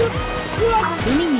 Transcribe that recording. うわっ！